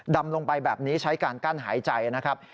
ดำลงไปแบบนี้ใช้การกั้นหายใจนะครับ